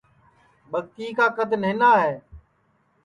ٻگتیے کا کد نہنا ہے